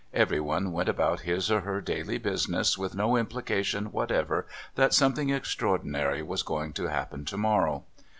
Everyone went about his or her daily business with no implication whatever that something extraordinary was going to happen tomorrow.